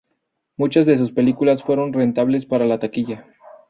Muchas de sus películas fueron rentables para la taquilla.